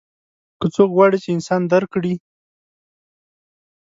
که څوک غواړي چې انسان درک کړي.